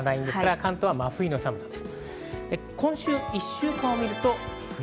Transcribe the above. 関東は真冬の寒さです。